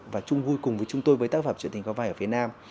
và chung vui cùng với chúng tôi với tác phẩm truyện tình cao vai ở phía nam